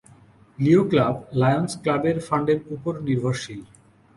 লিও club Lions ক্লাবের ফান্ডের উপর নির্ভরশীল।